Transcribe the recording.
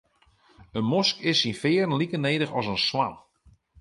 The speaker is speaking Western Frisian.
In mosk is syn fearen like nedich as in swan.